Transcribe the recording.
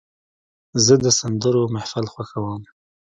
زه د سندرو محفل خوښوم.